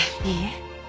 いいえ。